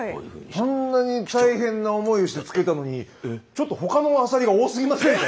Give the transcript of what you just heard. あんなに大変な思いをして付けたのにちょっと他のアサリが多すぎませんか？